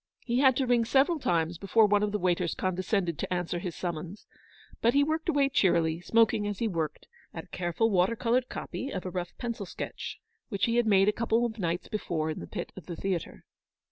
He had to ring several times before one of the waiters con descended to answer his summons, but he worked away cheerily, smoking as he worked, at a careful water coloured copy of a rough pencil sketch which he had made a couple of nights before in the pit of the theatre.